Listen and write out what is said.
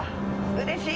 うれしい。